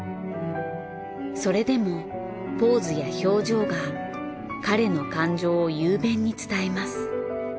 それでもポーズや表情が彼の感情を雄弁に伝えます。